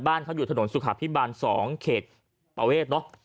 บ้านเขาอยู่ถนนสุขาพิบาล๒เขตประเวทเนอะ